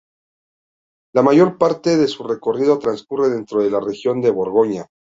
La mayor parte de su recorrido transcurre dentro de la región de Borgoña.